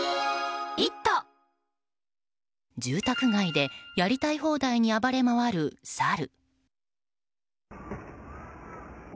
住宅街で、やりたい放題に暴れ回るサル。